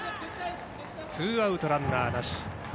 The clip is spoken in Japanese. ツーアウトランナーなし。